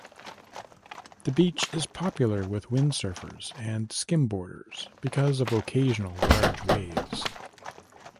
The beach is popular with windsurfers and skimboarders because of occasional large waves.